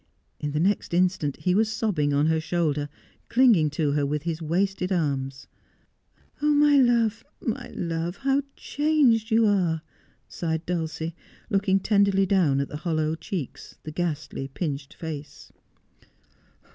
In the next instant he was sobbing on her shoulder, clinging to her with his wasted arms. ' Oh, my love, my love, how changed you are !' sighed Dulcie, looking tenderly down at the hollow cheeks, the ghastly, pinched face.